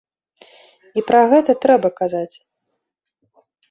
І пра гэта трэба казаць.